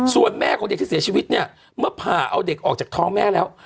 ส่วนแม่ของเด็กที่เสียชีวิตเนี่ยเมื่อผ่าเอาเด็กออกจากท้องแม่แล้ว